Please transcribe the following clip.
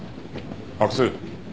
阿久津。